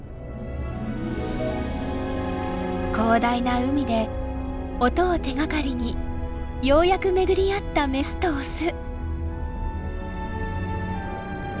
広大な海で音を手がかりにようやく巡り合ったメスとオス。